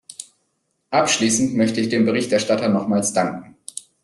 Abschließend möchte ich dem Berichterstatter nochmals danken.